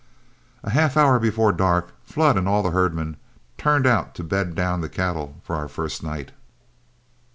A half hour before dark, Flood and all the herd men turned out to bed down the cattle for our first night.